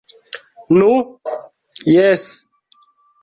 Nu, Jes.